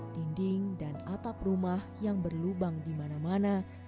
dinding dan atap rumah yang berlubang di mana mana